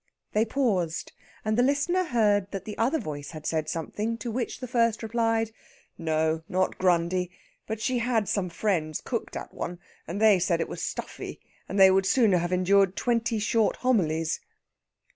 They paused, and the listener heard that the other voice had said something to which the first replied: "No, not Grundy. But she had some friends cooked at one, and they said it was stuffy, and they would sooner have endured twenty short homilies...."